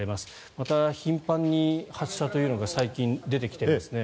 また頻繁に発射というのが最近、出てきてますね。